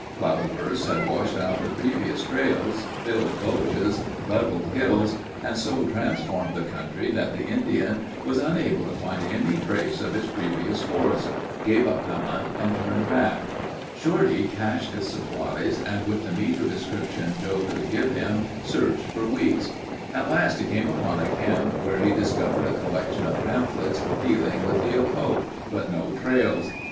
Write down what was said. Cloudbursts had washed out the previous trails, filled gulches, levelled hills and so transformed the country that the Indian was unable to find any trace of his previous course; gave up the hunt and turned back. Shorty cached his supplies and with the meager description Joe could give him, searched for weeks. At last he came upon a camp where he discovered a collection of pamphlets dealing with the occult, but no trails.